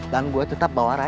dan gue tetap bawa raya